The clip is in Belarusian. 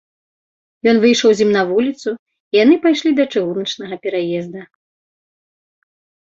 Ён выйшаў з ім на вуліцу, і яны пайшлі да чыгуначнага пераезда.